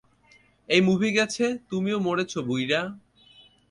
এই মুভি গেছে, তুমিও মরছো বুইড়া।